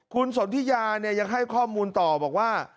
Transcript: คุณสนทิยาเนี่ยยังให้ข้อมูลต่อบอกว่า